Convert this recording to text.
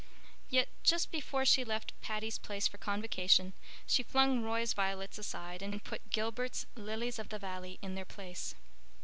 Yet just before she left Patty's Place for Convocation she flung Roy's violets aside and put Gilbert's lilies of the valley in their place.